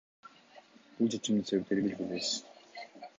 Бул чечимдин себептери белгисиз.